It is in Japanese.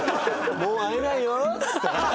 「もう会えないよ！」っつって。